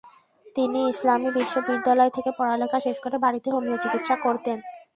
তিনি ইসলামী বিশ্ববিদ্যালয় থেকে পড়ালেখা শেষ করে বাড়িতে হোমিও চিকিৎসা করতেন।